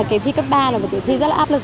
kỳ thi cấp ba là một kỳ thi rất là áp lực